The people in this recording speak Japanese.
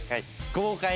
豪快に。